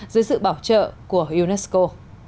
dưới sự bảo trợ của unesco